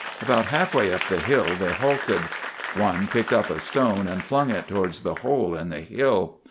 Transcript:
About half way up the hill they halted. One picked up a stone and flung it towards the hole in the hill.